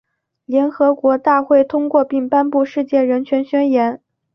联合国大会通过并颁布《世界人权宣言》。